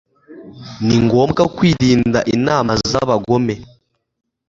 ni ngombwa kwirinda inama z'abagome